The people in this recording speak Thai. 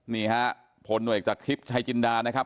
นี่ค่ะพลเนวเอกจากคลิปชายจินดานะครับ